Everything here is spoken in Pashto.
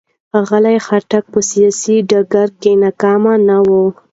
ښاغلي خټک په سیاسي ډګر کې ناکامه نه و.